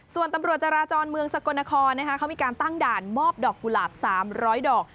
ส่วนตำรวจจราจรเมืองสกลนครเขามีการตั้งด่านมอบดอกกุหลาบ๓๐๐ดอก